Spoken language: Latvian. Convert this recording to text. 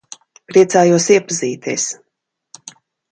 Priecājos iepazīties.